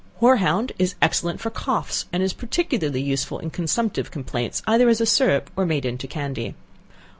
Hoarhound is excellent for coughs, and is particularly useful in consumptive complaints, either as a syrup or made into candy.